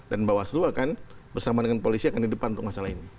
dan bawah aslu akan bersama dengan polisi akan di depan untuk masalah ini